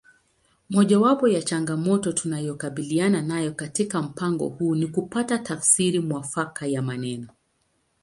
Mojawapo ya changamoto tunayokabiliana nayo katika mpango huu ni kupata tafsiri mwafaka ya maneno